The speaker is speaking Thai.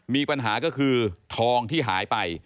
มีปัญหาก็คือทองที่หายไป